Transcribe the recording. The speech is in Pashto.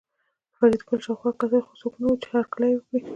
فریدګل شاوخوا کتل خو څوک نه وو چې هرکلی یې وکړي